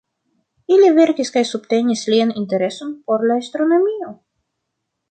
Ili vekis kaj subtenis lian intereson por la astronomio.